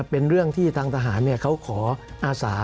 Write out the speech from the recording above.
เป็นเรื่องที่ทางทหารเขาขออาสา